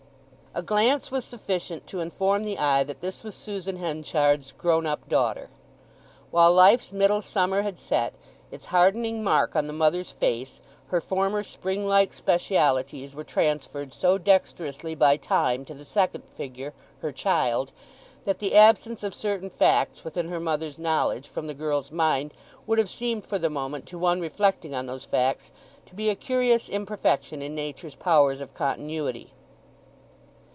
A glance was sufficient to inform the eye that this was Susan Henchard's grown up daughter. While life's middle summer had set its hardening mark on the mother's face, her former spring like specialities were transferred so dexterously by Time to the second figure, her child, that the absence of certain facts within her mother's knowledge from the girl's mind would have seemed for the moment, to one reflecting on those facts, to be a curious imperfection in Nature's powers of continuity.